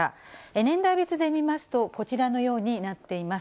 年代別で見ますと、こちらのようになっています。